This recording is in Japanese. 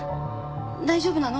大丈夫なの？